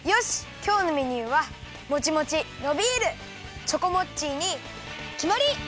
きょうのメニューはもちもちのびるチョコもっちにきまり！